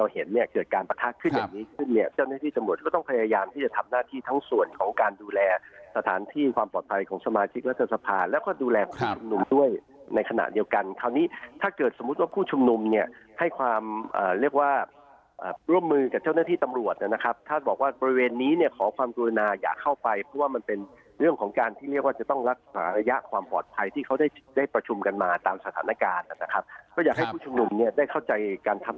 หน้าที่ทั้งส่วนของการดูแลสถานที่ความปลอดภัยของสมาชิกรัฐสภาแล้วก็ดูแลผู้ชุมหนุ่มด้วยในขณะเดียวกันคราวนี้ถ้าเกิดสมมุติว่าผู้ชุมหนุ่มเนี้ยให้ความอ่าเรียกว่าอ่าร่วมมือกับเจ้าหน้าที่ตำรวจเนี้ยนะครับถ้าบอกว่าบริเวณนี้เนี้ยขอความกรุณาอย่าเข้าไปเพราะว่ามันเป็นเรื่องของการท